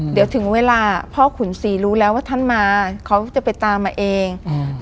เดี๋ยวถึงเวลาพ่อขุนศรีรู้แล้วว่าท่านมาเขาจะไปตามมาเองอืม